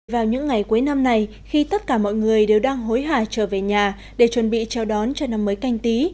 vào những ngày cuối năm này khi tất cả mọi người đều đang hối hả trở về nhà để chuẩn bị chào đón cho năm mới canh tí